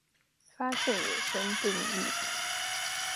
發現野生定義